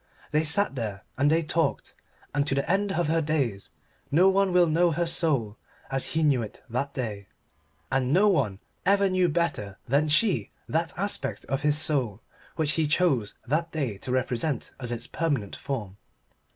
They sat there and they talked. And to the end of her days no one will know her soul as he knew it that day, and no one ever knew better than she that aspect of his soul which he chose that day to represent as its permanent form.